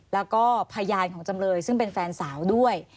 แล้วก็พยานของจำเลยซึ่งเป็นแฟนสาวด้วย